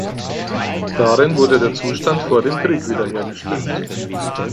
Darin wurde der Zustand vor dem Krieg wiederhergestellt.